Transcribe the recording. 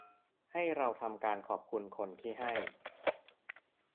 ให้เราทำการขอบคุณคนที่ให้